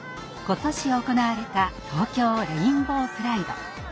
今年行われた東京レインボープライド。